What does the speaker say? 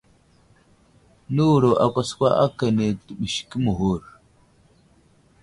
Nəwuro akwaskwa akane təɓəske məghur.